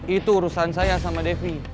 itu urusan saya sama devi